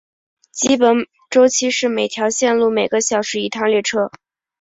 基本周期是每条线路每个小时一趟列车。